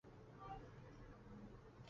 其发生多源自周围神经系统。